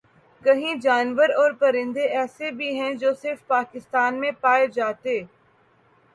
کہیں جانور اور پرندے ایسے بھی ہیں جو صرف پاکستان میں پائے جاتے